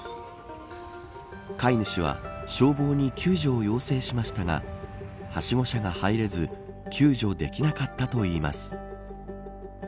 飼い主は消防に救助を要請しましたがはしご車が入れず救助できなかったといいます。